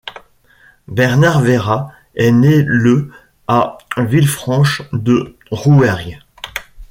Bernard Vera est né le à Villefranche-de-Rouergue.